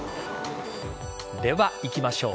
では、いきましょう。